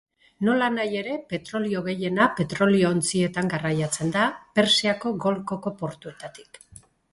Nolanahi ere, petrolio gehiena petrolio-ontzietan garraiatzen da, Persiako golkoko portuetatik.